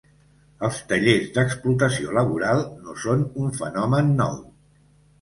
Els tallers d'explotació laboral no són un fenomen nou.